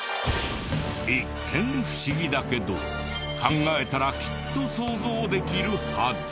一見不思議だけど考えたらきっと想像できるはず。